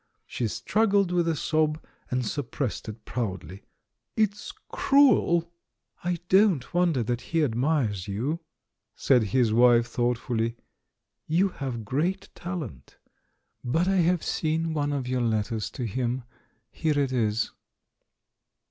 She struggled with a sob, and suppressed it proudly. "It's cruel!'* "I don't wonder that he admires you," said his wife thoughtfull}^; "you have great talent. But I have seen one of your letters to him. Here it is!